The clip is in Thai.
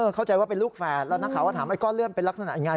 เข้าใจว่าเป็นลูกแฝดแล้วนักข่าวก็ถามไอ้ก้อนเลื่อนเป็นลักษณะยังไง